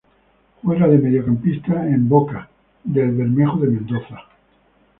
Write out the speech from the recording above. Juega de mediocampista en Boca de el Bermejo de Mendoza